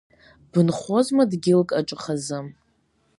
Бынхозма дгьылк аҿы хазы?!